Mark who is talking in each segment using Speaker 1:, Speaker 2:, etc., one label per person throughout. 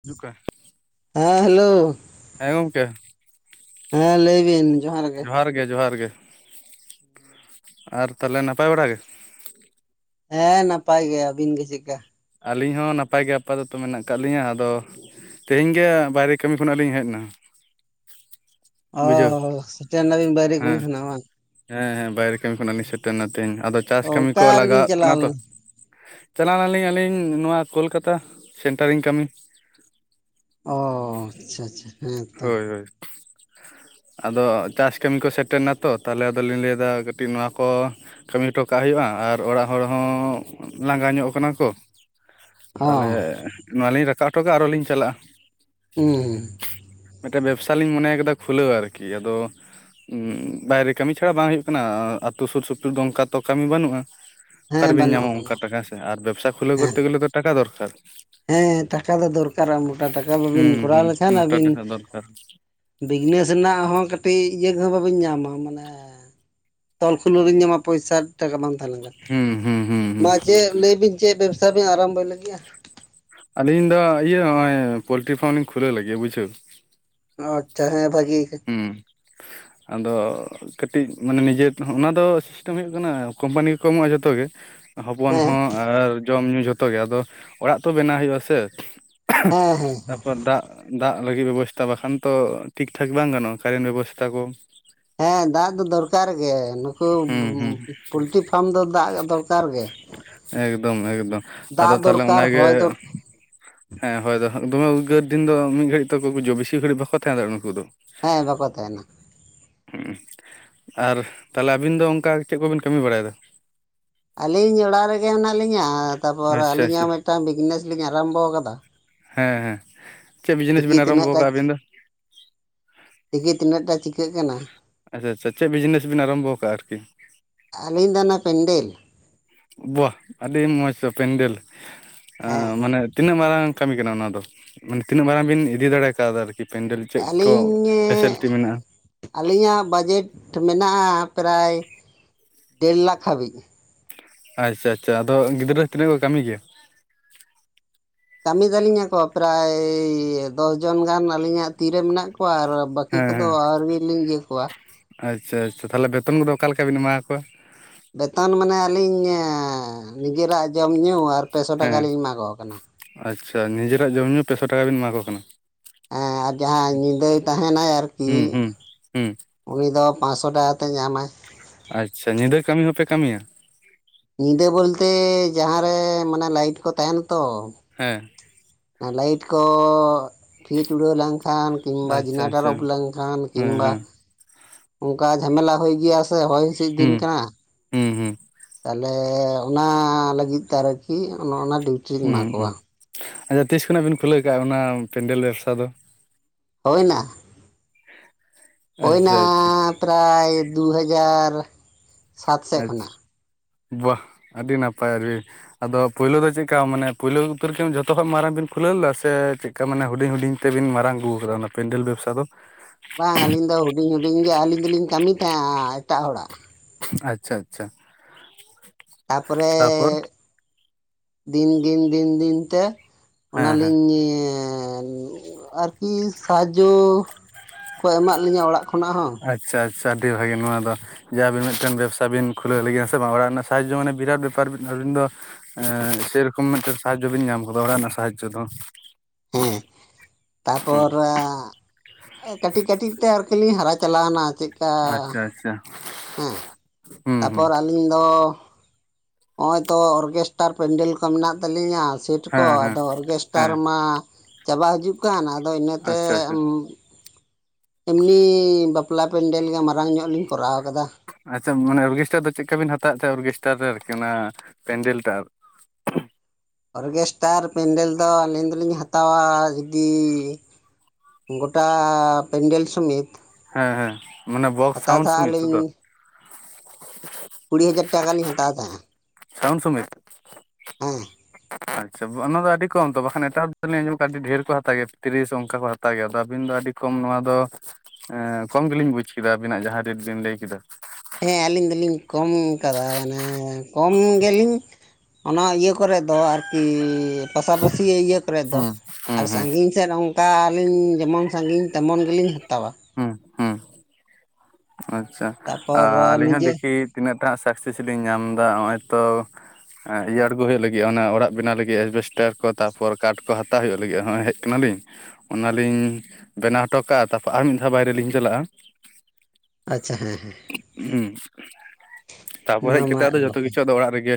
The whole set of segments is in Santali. Speaker 1: ᱦᱤᱡᱩᱜ ᱠᱟᱱ
Speaker 2: ᱦᱮᱸ ᱦᱮᱞᱳ
Speaker 1: ᱦᱮᱸ ᱜᱚᱝᱠᱮ
Speaker 2: ᱦᱮᱸ ᱞᱟᱹᱭ ᱵᱤᱱ
Speaker 1: ᱡᱚᱦᱟᱨ ᱜᱮ ᱡᱚᱦᱟᱨ ᱜᱮ ᱟᱨ ᱛᱟᱦᱚᱞᱮ ᱱᱟᱯᱟᱭ ᱵᱟᱲᱟ ᱜᱮ
Speaker 2: ᱦᱮᱸ ᱱᱟᱯᱟᱭ ᱜᱮ ᱟᱹᱵᱤᱱ ᱜᱮ ᱪᱮᱫᱠᱟ
Speaker 1: ᱟᱹᱞᱤᱧ ᱦᱚᱸ ᱱᱟᱯᱟᱭ ᱜᱮ ᱟᱯᱟᱛᱚᱛᱚ ᱢᱮᱱᱟᱜ ᱟᱠᱟᱫ ᱞᱤᱧᱟᱹ ᱟᱫᱚ ᱛᱮᱦᱮᱧ ᱜᱮ ᱵᱟᱭᱨᱮ ᱠᱟᱹᱢᱤ ᱠᱷᱚᱱᱟᱜ ᱞᱤᱧ ᱦᱮᱡ ᱮᱱᱟ ᱵᱩᱡᱷᱟᱹᱣ
Speaker 2: ᱚ ᱥᱮᱴᱮᱨ ᱮᱱᱟᱵᱤᱱ ᱵᱟ, ᱭᱨᱮ ᱠᱟ, ᱢᱤ
Speaker 1: ᱦᱮᱸ
Speaker 2: ᱠᱷᱚᱱᱟᱜ
Speaker 1: ᱦᱮᱸ ᱦᱮᱸ ᱵᱟᱭᱨᱮ ᱠᱟᱹᱢᱤ ᱠᱷᱚᱱᱟᱜ ᱞᱤᱧ ᱥᱮᱴᱮᱨ ᱮᱱᱟ ᱛᱮᱦᱮᱧ ᱟᱫᱚ ᱪᱟᱥ
Speaker 2: ᱚ
Speaker 1: ᱠᱟᱹᱢᱤ ᱠᱚ
Speaker 2: ᱚᱠᱟ ᱨᱮᱵᱤᱱ
Speaker 1: ᱞᱟᱜᱟᱣᱟᱜ ᱠᱟᱱᱟ
Speaker 2: ᱪᱟᱞᱟᱣ
Speaker 1: ᱛᱚ
Speaker 2: ᱞᱮᱱᱟ
Speaker 1: ᱪᱟᱞᱟᱣ ᱮᱱᱟᱞᱤᱧ ᱟᱹᱞᱤᱧ ᱱᱚᱣᱟ ᱠᱳᱞᱠᱟᱛᱟ ᱥᱮᱱᱴᱟᱨᱤᱧ ᱠᱟᱹᱢᱤ
Speaker 2: ᱚᱻ ᱟᱪᱪᱷᱟ ᱟᱪᱪᱷᱟ ᱦᱮᱸᱛᱚ
Speaker 1: ᱦᱳᱭ ᱦᱳᱭ ᱟᱫᱚ ᱪᱟᱥ ᱠᱟᱹᱢᱤ ᱠᱚ ᱥᱮᱴᱮᱨᱮ ᱮᱱᱟ ᱛᱚ ᱛᱟᱦᱚᱞᱮ ᱟᱫᱚᱞᱤᱧ ᱞᱟᱹᱭᱫᱟ ᱠᱟᱹᱴᱤᱡ ᱱᱚᱣᱟ ᱠᱚ ᱠᱟᱹᱢᱤ ᱦᱚᱴᱚ ᱠᱟᱜ ᱦᱩᱭᱩᱜᱼᱟ ᱟᱨ ᱚᱲᱟᱜ ᱦᱚᱲ ᱦᱚᱸ ᱞᱟᱸᱜᱟ ᱧᱚᱜ ᱠᱟᱱᱟ ᱠᱚ
Speaker 2: ᱚ
Speaker 1: ᱛᱟᱦᱚᱞᱮ ᱱᱚᱣᱟ ᱞᱤᱧ ᱨᱟᱠᱟᱵ ᱦᱚᱴᱚ ᱠᱟᱜᱼᱟ ᱟᱨᱚ ᱞᱤᱧ ᱪᱟᱞᱟᱜᱼᱟ
Speaker 2: ᱦᱮᱸ
Speaker 1: ᱢᱮᱫᱴᱮᱱ ᱵᱮᱵᱥᱟ ᱞᱤᱧ ᱢᱚᱱᱮ ᱠᱟᱫᱟ ᱠᱷᱩᱞᱟᱹᱣ ᱟᱨᱠᱤ ᱟᱫᱚ᱾ ᱦᱩ ᱵᱟᱭᱨᱮ ᱠᱟᱹᱢᱤ ᱪᱷᱟᱲᱟ ᱵᱟᱝ ᱦᱩᱭᱩᱜ ᱠᱟᱱᱟ ᱟᱹᱛᱩ ᱥᱩᱨ ᱥᱩᱯᱩᱨ ᱫᱚ ᱚᱱᱠᱟ ᱛᱚ ᱠᱟᱹᱢᱤ ᱵᱟᱹᱱᱩᱜᱼᱟ᱾
Speaker 2: ᱦᱮᱸ
Speaker 1: ᱚᱠᱟᱨᱮ ᱵᱤᱱ
Speaker 2: ᱵᱟᱹᱱᱩᱜᱼᱟ
Speaker 1: ᱧᱟᱢᱟᱼᱟ ᱚᱱᱠᱟ
Speaker 2: ᱵᱟᱹᱱᱩᱜᱼᱟ
Speaker 1: ᱴᱟᱠᱟ ᱥᱮ ᱟᱨ ᱵᱮᱵᱽᱥᱟ ᱠᱷᱩᱞᱟᱹᱣ
Speaker 2: ᱦᱮᱸ
Speaker 1: ᱠᱚᱨᱛᱮ ᱜᱮᱞᱮ ᱫᱚ ᱴᱟᱠᱟ ᱫᱚᱨᱠᱟᱨ᱾
Speaker 2: ᱦᱮᱸ ᱴᱟᱠᱟ ᱫᱚ ᱫᱚᱨᱠᱟᱨᱟ ᱢᱳᱴᱟ ᱴᱟᱠᱟ ᱵᱟᱹᱵᱤᱱ
Speaker 1: ᱦᱩᱸ
Speaker 2: ᱠᱚᱨᱟᱣ
Speaker 1: ᱦᱩᱸ
Speaker 2: ᱞᱮᱠᱷᱟᱱ
Speaker 1: ᱢᱚᱴᱟ
Speaker 2: ᱟᱹᱵᱤᱱ
Speaker 1: ᱴᱟᱠᱟ ᱫᱚᱨᱠᱟᱨ
Speaker 2: ᱵᱤᱜᱽᱱᱮᱥ ᱨᱮᱱᱟᱜ ᱦᱚᱸ ᱠᱟᱹᱴᱤᱡ ᱤᱭᱟᱹ ᱠᱚᱦᱚᱸ ᱵᱟᱵᱮᱱ ᱧᱟᱢᱟ ᱢᱟᱱᱮ ᱛᱚᱞ ᱠᱷᱩᱞᱟᱹ ᱨᱤ ᱧᱟᱢᱟ ᱯᱚᱭᱥᱟ ᱴᱟᱠᱟ ᱵᱟᱝ
Speaker 1: ᱦᱩᱸ ᱦᱩᱸ ᱦᱩᱸ
Speaker 2: [unintelligible]
Speaker 1: ᱦᱩᱸ
Speaker 2: ᱢᱟ ᱪᱮᱫ ᱞᱟᱹᱭ ᱵᱤᱱ ᱪᱮᱫ ᱵᱮᱵᱥᱟ ᱵᱤᱱ ᱟᱨᱟᱢ ᱵᱚᱭ ᱞᱟᱹᱜᱤᱫᱼᱟ?
Speaker 1: ᱟᱹᱞᱤᱧ ᱫᱚ ᱤᱭᱟᱹ ᱦᱚᱜᱼᱚᱭ ᱯᱳᱚᱞᱴᱨᱤ ᱯᱷᱟᱨᱢ ᱞᱤᱧ ᱠᱷᱩᱞᱟᱹᱣ ᱞᱟ. ᱜᱤᱫ ᱵᱩᱡᱷᱟᱹᱣ᱾
Speaker 2: ᱟᱪᱪᱷᱟ ᱦᱮᱸ ᱵᱷᱟᱹᱜᱤ ᱜᱮ ᱾
Speaker 1: ᱦᱩᱸ ᱟᱫᱚ ᱠᱟᱹᱴᱤᱡ ᱢᱟᱱᱮ ᱱᱤᱡᱮ ᱛᱮ ᱫᱚ, ᱚᱱᱟ ᱫᱚ ᱥᱤᱥᱴᱮᱢ ᱦᱩᱭᱩᱜ ᱠᱟᱱᱟ ᱠᱳᱢᱯᱟᱱᱤ ᱜᱮ ᱠᱚ ᱮᱢᱚᱜᱼᱟ ᱡᱚᱛᱚ ᱜᱮ᱾ ᱦᱚᱯᱚᱱ
Speaker 2: ᱦᱮᱸ
Speaker 1: ᱦᱚᱸ ᱟᱨ ᱡᱚᱢ ᱧᱩ ᱡᱷᱚᱛᱚ ᱜᱮ ᱟᱫᱚ ᱚᱲᱟᱜ ᱛᱚ ᱵᱮᱱᱟᱣ ᱦᱩᱭᱩᱜ ᱟ ᱥᱮ᱾
Speaker 2: ᱦᱮᱸ
Speaker 1: [unintelligible] ᱛᱟᱯᱚᱨ ᱫᱟᱜ ᱫᱟᱜ ᱞᱟᱹᱜᱤᱫ ᱵᱮᱵᱚᱥᱛᱟ ᱵᱟᱠᱷᱟᱱ ᱛᱚ ᱴᱷᱤᱠ ᱴᱷᱟᱹᱠ ᱵᱟᱝ ᱜᱟᱱᱚᱜᱼᱟ ᱠᱟᱨᱮᱱᱴ ᱵᱮᱵᱚᱥᱛᱷᱟ ᱠᱚ-᱾
Speaker 2: ᱦᱮᱸ ᱫᱟᱜ ᱫᱚ ᱫᱚᱨᱠᱟᱨ ᱜᱮ ᱾
Speaker 1: ᱦᱩᱸ ᱦᱩᱸ
Speaker 2: [unintelligible] ᱯᱳᱞᱴᱤ ᱯᱷᱟᱨᱢ ᱫᱚ ᱫᱟᱜ ᱫᱚᱨᱠᱟᱨ ᱜᱮ᱾
Speaker 1: ᱮᱠᱫᱚᱢ ᱮᱠᱫᱚᱢ ᱟᱫᱚ
Speaker 2: ᱫᱟᱜ
Speaker 1: ᱛᱟᱦᱞᱮ
Speaker 2: ᱫᱚᱨᱠᱟᱨ
Speaker 1: ᱚᱱᱟᱜᱮ
Speaker 2: ᱦᱚᱭ ᱫᱚᱨᱠᱟᱨ
Speaker 1: ᱦᱮᱸ ᱦᱳᱭ ᱫᱚ ᱫᱚᱢᱮ ᱩᱫᱽᱜᱟᱹᱨ ᱫᱤᱱ ᱫᱚ ᱢᱤᱫ ᱜᱷᱟᱹᱲᱤᱡ ᱛᱮᱠᱚ ᱜᱩᱡᱩᱜ-ᱟ, ᱵᱤᱥᱤ ᱜᱷᱟᱹᱲᱤᱡ ᱵᱟᱠᱚ ᱛᱟᱦᱮᱸ ᱫᱟᱲᱮᱭᱟᱜᱼᱟ ᱩᱱᱠᱩ ᱫᱚ᱾
Speaker 2: ᱦᱮᱸ ᱵᱟᱠᱚ ᱛᱟᱦᱮᱱᱟ᱾
Speaker 1: ᱦᱩᱸ ᱟᱨ ᱛᱟᱦᱚᱞᱮ ᱟᱵᱤᱱ ᱫᱚ ᱚᱱᱠᱟ ᱪᱮᱫ ᱠᱚᱵᱮᱱ ᱠᱟᱹᱢᱤ ᱵᱟᱲᱟᱭ ᱮᱫᱟ?
Speaker 2: ᱟᱹᱞᱤᱧ ᱚᱲᱟᱜ ᱨᱮᱜᱮ ᱦᱮᱱᱟᱜ ᱞᱤᱧᱟ, ᱛᱟᱯᱚᱨ
Speaker 1: ᱟᱪᱪᱷᱟ
Speaker 2: ᱟᱹᱞᱤᱧ
Speaker 1: ᱟᱪᱪᱷᱟ
Speaker 2: ᱦᱚᱸ ᱢᱤᱫᱴᱟᱝ ᱵᱤᱡᱽᱱᱮᱥ ᱞᱤᱧ ᱟᱨᱟᱢᱵᱚ ᱟᱠᱟᱫᱟ᱾
Speaker 1: ᱦᱮᱸ ᱦᱮᱸ ᱪᱮᱫ ᱵᱤᱡᱽᱱᱮᱥ
Speaker 2: ᱫᱤᱠᱷᱤ
Speaker 1: ᱵᱤᱱ
Speaker 2: ᱛᱤᱱᱟᱹᱜ
Speaker 1: ᱟᱨᱟᱢᱵᱚ
Speaker 2: ᱴᱟᱜ,
Speaker 1: ᱟᱠᱟᱫᱼᱟ ᱟᱹᱵᱤᱱ ᱫᱚ
Speaker 2: ᱫᱤᱠᱷᱤ ᱛᱤᱱᱟᱹᱜ ᱴᱟᱜ ᱪᱤᱠᱟᱹᱜ ᱠᱟᱱᱟ᱾
Speaker 1: ᱟᱪᱪᱷᱟ ᱟᱪᱪᱷᱟ, ᱪᱮᱫ ᱵᱤᱡᱽᱱᱮᱥ ᱵᱤᱱ ᱟᱨᱚᱢᱵᱷᱚ ᱟᱠᱟᱜ-ᱟ ᱟᱨ ᱠᱤ?
Speaker 2: ᱟᱞᱤᱧ ᱫᱚ ᱚᱱᱟ ᱯᱮᱱᱰᱮᱞ,
Speaker 1: ᱵᱟᱦ! ᱟᱹᱰᱤ ᱢᱚᱸᱡᱽ ᱛᱚ ᱯᱮᱱᱰᱮᱞ ᱟ
Speaker 2: ᱦᱮᱸ
Speaker 1: ᱢᱟᱱᱮ ᱛᱤᱱᱟᱹᱜ ᱢᱟᱨᱟᱝ ᱠᱟᱹᱢᱤ ᱠᱟᱱᱟ ᱚᱱᱟ ᱫᱚ? ᱢᱟᱱᱮ ᱛᱤᱱᱟᱹᱜ ᱢᱟᱨᱟᱝ ᱵᱤᱱ ᱤᱫᱤ ᱫᱟᱲᱮ ᱠᱟᱣᱫᱟ ᱟᱨ ᱠᱤ᱾ ᱯᱮᱱᱰᱮᱞ ᱪᱮᱫ ᱠᱚ
Speaker 2: ᱟᱹᱞᱤᱧ
Speaker 1: ᱯᱷᱮᱥᱮᱞᱤᱴᱤ ᱢᱮᱱᱟᱜᱼᱟ?
Speaker 2: ᱟᱹᱞᱤᱧᱟᱜ ᱵᱟᱡᱮᱴ ᱢᱮᱱᱟᱜᱼᱟ ᱯᱨᱟᱭ ᱰᱮᱲ ᱞᱟᱠᱷ ᱦᱟᱹᱵᱤᱡ᱾
Speaker 1: ᱟᱪᱪᱷᱟ ᱟᱪᱪᱷᱟ ᱟᱫᱚ ᱜᱤᱫᱽᱨᱟᱹ ᱛᱤᱱᱟᱹᱜ ᱠᱚ ᱠᱟᱹᱢᱤ ᱜᱮᱭᱟ?
Speaker 2: ᱠᱟᱹᱢᱤ ᱛᱟᱞᱤᱧᱟ ᱠᱚ ᱯᱨᱟᱭ ᱫᱚᱥ ᱡᱚᱱ ᱜᱟᱱ ᱟᱹᱞᱤᱧᱟᱜ ᱛᱤᱨᱮ ᱢᱮᱱᱟᱜ ᱠᱚᱣᱟ ᱟᱨ ᱵᱟᱹᱠᱤ
Speaker 1: ᱦᱮᱸ
Speaker 2: ᱠᱚᱫᱚ
Speaker 1: ᱦᱮᱸ
Speaker 2: ᱟᱣᱨᱤᱞᱤᱧ ᱤᱭᱟᱹ ᱠᱚᱣᱟ᱾
Speaker 1: ᱟᱪᱪᱷᱟ ᱟᱪᱪᱷᱟ, ᱛᱟᱦᱚᱞᱮ ᱵᱮᱛᱚᱱ ᱠᱚᱫᱚ ᱚᱠᱟᱞᱮᱠᱟ ᱵᱤᱱ ᱮᱢᱟ ᱠᱚᱣᱟ?
Speaker 2: ᱵᱮᱛᱚᱱ ᱢᱟᱱᱮ ᱟᱹᱞᱤᱧ ᱮ ᱱᱤᱡᱮᱨᱟᱜ ᱡᱚᱢ ᱧᱩ ᱟᱨ ᱯᱮ ᱥᱚ
Speaker 1: ᱦᱮᱸ
Speaker 2: ᱴᱟᱠᱟᱞᱤᱧ ᱮᱢᱟ ᱠᱚ ᱠᱟᱱᱟ᱾
Speaker 1: ᱟᱪᱪᱷᱟ ᱱᱤᱡᱮᱨᱟᱜ ᱡᱚᱢᱼᱧᱩ ᱯᱮᱥᱚ ᱴᱟᱠᱟ ᱵᱮᱱ ᱮᱢᱟ ᱠᱚ ᱠᱟᱱᱟ᱾
Speaker 2: ᱮ ᱡᱟᱦᱟᱸᱭ ᱧᱤᱫᱟ. ᱭ ᱛᱟᱦᱮᱱᱟᱭ ᱟᱨ ᱠᱤ
Speaker 1: ᱦᱩᱸ ᱦᱩᱸ ᱦᱩᱸ
Speaker 2: ᱩᱱᱤ ᱫᱚ ᱯᱟᱸᱥᱥᱚ ᱴᱟᱠᱟ ᱠᱟᱛᱮᱭ ᱧᱟᱢᱟᱭ᱾
Speaker 1: ᱟᱪᱪᱷᱟ ᱧᱤᱫᱟᱹ ᱠᱟᱹᱢᱤ ᱦᱚᱸᱯᱮ ᱠᱟᱹᱢᱤᱭᱟ?
Speaker 2: ᱧᱤᱫᱟᱹ ᱵᱚᱞᱛᱮ ᱡᱟᱦᱟᱸ ᱨᱮ ᱢᱟᱱᱮ ᱞᱟᱭᱤᱴ ᱠᱚ ᱛᱟᱦᱮᱱᱟ ᱛᱚ᱾
Speaker 1: ᱦᱮᱸ
Speaker 2: ᱞᱟᱤᱴ ᱠᱚ ᱯᱷᱤᱩᱪ ᱩᱬᱟᱹᱣ ᱞᱮᱱ ᱠᱷᱟᱱ ᱠᱤᱢᱵᱟ
Speaker 1: ᱟᱪᱪᱷᱟ
Speaker 2: ᱡᱤᱱᱟᱴᱟᱨ
Speaker 1: ᱟᱪᱪᱷᱟ
Speaker 2: ᱚᱯ ᱞᱮᱱᱠᱷᱟᱱ,
Speaker 1: ᱦᱮᱸ
Speaker 2: ᱠᱤᱢᱵᱟ
Speaker 1: ᱦᱮᱸ
Speaker 2: ᱚᱱᱠᱟ ᱡᱷᱟᱢᱮᱞᱟ ᱦᱳᱭ ᱜᱮᱭᱟ ᱥᱮ ᱦᱚᱭ ᱪᱮᱫ ᱫᱤᱱ
Speaker 1: ᱦᱩᱸ
Speaker 2: ᱠᱟᱱᱟ?
Speaker 1: ᱦᱩᱸ ᱦᱩᱸ
Speaker 2: ᱛᱟᱦᱚᱞᱮ ᱚᱱᱟ ᱞᱟᱹᱜᱤᱫ ᱛᱮ ᱟᱨᱚ ᱠᱤ ᱚᱱᱟ ᱚᱱᱟ ᱰᱤᱩᱴᱤ ᱞᱤᱧ
Speaker 1: ᱩᱸ
Speaker 2: ᱮᱢᱟ
Speaker 1: ᱩᱸ
Speaker 2: ᱠᱚᱣᱟ
Speaker 1: ᱟᱫᱚ ᱛᱤᱥ ᱠᱷᱚᱱᱟᱜ ᱵᱤᱱ ᱠᱷᱩᱞᱟᱹᱣ ᱠᱟᱜᱼᱟ ᱚᱱᱟ ᱯᱮᱱᱰᱮᱞ ᱵᱮᱵᱽᱥᱟ ᱫᱚ?
Speaker 2: ᱦᱳᱭ ᱱᱟ
Speaker 1: [inaudible]
Speaker 2: ᱦᱩᱭᱱᱟ
Speaker 1: ᱟᱪᱪᱷᱟ
Speaker 2: ᱯᱨᱟᱭ ᱫᱩ ᱦᱟᱡᱟᱨ᱾ ᱥᱟᱛ ᱥᱮᱫ ᱠᱷᱚᱱᱟᱜ
Speaker 1: ᱟᱪᱪᱷᱟ ᱵᱟᱦ ᱟᱹᱰᱤ ᱱᱟᱯᱟᱭ ᱨᱮ ᱟᱫᱚ ᱯᱳᱭᱞᱳ ᱫᱚ ᱪᱮᱫᱠᱟ ᱢᱟᱱᱮ ᱯᱳᱭᱞᱳ ᱩᱛᱟᱹᱨ [unintelligible] ᱡᱚᱛᱚᱠᱷᱚᱡ ᱢᱟᱨᱟᱝ ᱵᱤᱱ ᱯᱷᱩᱞᱟᱹᱣ ᱞᱮᱫᱟ ᱥᱮ ᱪᱮ ᱚᱱᱠᱟ ᱢᱟᱱᱮ ᱦᱩᱰᱤᱧ ᱦᱩᱰᱤᱧ ᱛᱮᱵᱤᱱ ᱢᱟᱨᱟᱝ ᱟᱹᱜᱩ ᱠᱟᱫᱟ ᱚᱱᱟ ᱯᱮᱱᱰᱮᱞ ᱵᱮᱵᱥᱟ ᱫᱚ
Speaker 2: ᱵᱟᱝ ᱟᱹᱞᱤᱧ ᱫᱚ ᱦᱩᱰᱤᱧ ᱦᱩᱰᱤᱧ ᱜᱮ ᱟᱹᱞᱤᱧ ᱫᱚᱞᱤᱧ ᱠᱟᱹᱢᱤ ᱛᱟᱦᱮᱸᱜ ᱟ ᱮᱴᱟᱜ ᱦᱚᱲᱟᱜ᱾
Speaker 1: ᱟᱪᱪᱷᱟ ᱟᱪᱪᱷᱟ᱾
Speaker 2: ᱛᱟᱨᱯᱚᱨᱮ
Speaker 1: ᱛᱟᱨᱯᱚᱨ
Speaker 2: ᱫᱤᱱ ᱫᱤᱱ ᱫᱤᱱ ᱫᱤᱱ ᱛᱮ
Speaker 1: ᱦᱮᱸ ᱦᱮᱸ
Speaker 2: ᱚᱱᱟᱞᱤᱧᱻ ᱟᱨᱠᱤ ᱥᱟᱦᱟᱡᱽᱡᱚ ᱠᱚ ᱮᱢᱟᱜ ᱞᱤᱧᱟᱹ ᱚᱲᱟᱜ ᱠᱷᱚᱱᱟᱜ ᱦᱚᱸ
Speaker 1: ᱟᱪᱪᱷᱟ ᱟᱪᱪᱷᱟ ᱟᱹᱰᱤ ᱵᱷᱟᱹᱜᱤ ᱱᱚᱣᱟ ᱫᱚ ᱡᱮ ᱟᱹᱵᱤᱱ ᱢᱤᱫᱴᱮᱱ ᱵᱮᱵᱽᱥᱟ ᱵᱤᱱ ᱠᱷᱩᱞᱟᱹᱣ ᱞᱟᱹᱜᱤᱫ ᱥᱮ ᱵᱟᱝ ᱚᱲᱟᱜ ᱨᱮᱱᱟᱜ ᱥᱟᱦᱟᱡᱚ ᱢᱟᱱᱮ ᱵᱤᱨᱟᱴ ᱵᱮᱯᱟᱨ ᱟᱹᱵᱤᱱ ᱫᱚ ᱥᱮᱨᱚᱠᱚᱢ ᱢᱤᱫᱴᱮᱱ ᱥᱟᱦᱟᱡᱡᱚ ᱵᱮᱱ ᱧᱟᱢ ᱠᱟᱫᱟ ᱚᱲᱟᱜ ᱨᱮᱱᱟᱜ ᱥᱟᱦᱟᱡᱡᱚ ᱫᱚ
Speaker 2: ᱦᱮᱸ
Speaker 1: ᱦᱩᱸ
Speaker 2: ᱛᱟᱯᱚᱨ ᱠᱟᱹᱴᱤᱡ ᱠᱟᱹᱴᱤᱡ ᱛᱮ ᱟᱨᱠᱤ ᱞᱤᱧ ᱦᱟᱨᱟ ᱪᱟᱞᱟᱣᱮᱱᱟ ᱪᱮᱫ
Speaker 1: ᱟᱪᱪᱷᱟ ᱟᱪᱪᱷᱟ᱾
Speaker 2: ᱚᱸᱜ
Speaker 1: ᱦᱩᱸ ᱦᱩᱸ
Speaker 2: ᱛᱟᱯᱚᱨ ᱟᱹᱞᱤᱧ ᱫᱚ ᱦᱚᱜᱼᱚᱭ ᱛᱚ ᱚᱨᱠᱮᱥᱴᱟᱨ ᱯᱮᱱᱰᱮᱞ ᱠᱚ ᱢᱮᱱᱟᱜ ᱛᱟᱹᱞᱤᱧᱟ, ᱥᱮ ᱪᱚᱠᱚ
Speaker 1: ᱦᱮᱸ ᱦᱮᱸ
Speaker 2: ᱟᱫᱚ ᱚᱨᱠᱮᱥᱴᱟᱨ
Speaker 1: ᱦᱮᱸ
Speaker 2: ᱢᱟ ᱪᱟᱵᱟ ᱦᱤᱡᱩᱜ ᱠᱟᱱ ᱟᱫᱚ ᱤᱱᱟᱹᱛᱮ
Speaker 1: ᱟᱪᱪᱷᱟ ᱟᱪᱪᱷᱟ
Speaker 2: ᱮᱢᱱᱤ ᱵᱟᱯᱞᱟ ᱯᱮᱱᱰᱮᱞ ᱜᱮ ᱢᱟᱨᱟᱝ ᱧᱚᱜ ᱞᱤᱧ ᱠᱚᱨᱟᱣ ᱠᱟᱫᱟ᱾
Speaker 1: ᱟᱪᱪᱷᱟ ᱢᱟᱱᱮ ᱚᱨᱜᱮᱥᱴᱟᱨ ᱫᱚ ᱪᱮᱫ ᱞᱮᱠᱟ ᱵᱤᱱ ᱦᱟᱛᱟᱣᱮᱫ ᱛᱟᱦᱮᱸᱫ ᱚᱨᱜᱮᱥᱴᱟᱨ ᱨᱮ ᱟᱨᱠᱤ ᱚᱱᱟ ᱯᱮᱱᱰᱮᱞ ᱴᱟᱜ
Speaker 2: ᱚᱨᱜᱮᱥᱴᱟᱨ ᱯᱮᱱᱰᱮᱞ ᱫᱚ ᱟᱹᱞᱤᱧ ᱫᱚᱞᱤᱧ ᱦᱟᱛᱟᱣᱟ ᱡᱩᱫᱤ ᱜᱚᱴᱟ ᱯᱮᱱᱰᱮᱞ ᱥᱚᱢᱮᱛ
Speaker 1: ᱦᱮᱸ ᱦᱮᱸ ᱢᱟᱱᱮ ᱵᱚᱠᱥ
Speaker 2: ᱦᱟᱛᱟᱣ
Speaker 1: ᱥᱟᱣᱩᱱᱰ
Speaker 2: ᱛᱟᱦᱮᱸ
Speaker 1: ᱥᱩᱢᱮᱛ
Speaker 2: ᱟᱹᱞᱤᱧ
Speaker 1: ᱥᱩᱫᱷᱟᱹ?
Speaker 2: ᱠᱩᱲᱤ ᱦᱟᱡᱟᱨ ᱴᱟᱠᱟ ᱞᱤᱧ ᱦᱟᱛᱟᱣ ᱛᱟᱦᱮᱸᱫ᱾
Speaker 1: ᱥᱟᱣᱩᱱᱰ ᱥᱚᱢᱮᱛ?
Speaker 2: ᱦᱮᱸ
Speaker 1: ᱟᱪᱪᱷᱟ ᱚᱱᱟ ᱫᱚ ᱟᱹᱰᱤ ᱠᱚᱢ ᱛᱚ ᱵᱟᱠᱷᱟᱱ ᱮᱴᱟᱜ ᱦᱚᱲ ᱫᱚᱞᱤᱧ ᱟᱸᱡᱚᱢ ᱠᱟᱜᱼᱟ ᱟᱹᱰᱤ ᱰᱷᱮᱨ ᱠᱚ ᱦᱟᱛᱟᱣ ᱜᱮᱭᱟ ᱛᱤᱨᱤᱥ ᱚᱱᱠᱟ ᱠᱚ ᱦᱟ [unintelligible] ᱛᱚ ᱟᱹᱵᱤᱱ ᱫᱚ ᱟᱹᱰᱤ ᱠᱚᱢ ᱱᱚᱣᱟ ᱫᱚ ᱮᱸ ᱠᱚᱢ ᱜᱮᱞᱤᱧ ᱵᱩᱡ ᱠᱮᱫᱟ ᱟᱵᱤᱱᱟᱜ ᱡᱟᱦᱟᱸ ᱨᱮᱴ ᱵᱤᱱ ᱞᱟᱹᱭ ᱠᱮᱫᱟ᱾
Speaker 2: ᱦᱮᱸ ᱟᱹᱞᱤᱧ ᱫᱚᱞᱤᱧ ᱠᱚᱢ ᱠᱟᱫᱟ, ᱱᱮ ᱠᱚᱢ ᱜᱮᱞᱤᱧ ᱚᱱᱟ ᱤᱭᱟᱹ ᱠᱚᱨᱮ ᱫᱚ ᱟᱨᱠᱤ ᱯᱟᱥᱟᱯᱟᱥᱤ ᱤᱭᱟᱹ ᱠᱚᱨᱮᱫ ᱫᱚ,
Speaker 1: ᱦᱩᱸ ᱦᱩᱸ
Speaker 2: ᱟᱨ
Speaker 1: ᱦᱩᱸ
Speaker 2: ᱥᱟᱺᱜᱤᱧ ᱪᱮᱫ ᱚᱱᱠᱟ ᱟᱹᱞᱤᱧ ᱡᱮᱢᱚᱱ ᱥᱟᱺᱜᱤᱧ ᱛᱮᱢᱚᱱ ᱜᱮᱞᱤᱧ ᱦᱟᱛᱟᱣᱟ
Speaker 1: ᱦᱮᱸ ᱦᱮᱸ᱾ ᱟᱪᱪᱷᱟ
Speaker 2: ᱛᱟᱨᱯᱚᱨ
Speaker 1: ᱟᱹᱞᱤᱧ ᱦᱚᱸ
Speaker 2: ᱱᱤᱡᱮ
Speaker 1: ᱫᱮᱠᱷᱤ ᱛᱤᱱᱟᱹᱜ ᱴᱟ ᱥᱟᱠᱥᱮᱥ ᱞᱤᱧ ᱧᱟᱢ ᱮᱫᱟ, ᱱᱚᱜᱼᱚᱭ ᱛᱚ ᱤᱭᱟᱹ ᱟᱲᱜᱩ ᱦᱩᱭᱩᱜ ᱞᱟᱹᱜᱤᱫ ᱚᱱᱟ ᱚᱲᱟᱜ ᱵᱮᱱᱟᱣ ᱞᱟᱹᱜᱤᱫ ᱮᱰᱵᱮᱥᱴᱟᱨ ᱠᱚ ᱛᱟᱨᱯᱚᱨ ᱠᱟᱴᱷ ᱠᱚ ᱦᱟᱛᱟᱣ ᱦᱩᱭᱩᱜ ᱞᱟᱹᱜᱤᱫ ᱦᱚᱜ-ᱚᱭ ᱦᱮᱡ ᱠᱟᱱᱟᱞᱤᱧ ᱚᱱᱟᱞᱤᱧ ᱵᱮᱱᱟᱣ ᱦᱚᱴᱚ ᱠᱟᱜᱼᱟ, ᱛᱟᱨᱯᱚᱨ ᱟᱨ ᱢᱤᱫ ᱫᱷᱟᱣ ᱵᱟᱭᱨᱮ ᱞᱤᱧ ᱪᱟᱞᱟᱜᱼᱟ᱾
Speaker 2: ᱟᱪᱪᱷᱟ ᱦᱮᱸ ᱦᱮᱸ᱾
Speaker 1: ᱦᱮᱸ ᱛᱟᱨᱯᱚᱨ
Speaker 2: ᱚᱱᱟ
Speaker 1: ᱦᱮᱡ
Speaker 2: ᱢᱟ
Speaker 1: ᱠᱟᱛᱮᱜ ᱟᱫᱚ ᱡᱷᱚᱛᱚ
Speaker 2: ᱱᱟᱯᱟᱭ
Speaker 1: ᱠᱤᱪᱷᱩ ᱟᱫᱚ ᱚᱲᱟᱜ ᱨᱮᱜᱮ